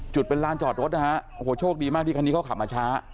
จุดเป็นลานจอดรถนะฮะโอ้โหโชคดีมากที่คันนี้เขาขับมาช้า